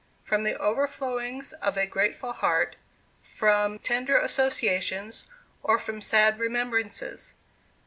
from the overflowings of a grateful heart, from tender associations, or from sad remembrances?